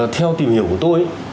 theo tìm hiểu của tôi